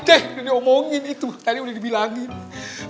deh udah diomongin itu tadi udah dibilangin